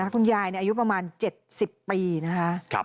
คุณยายอายุประมาณ๗๐ปีนะคะ